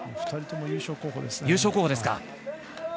２人とも優勝候補ですね。